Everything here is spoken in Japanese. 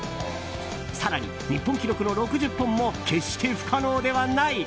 更に、日本記録の６０本も決して不可能ではない。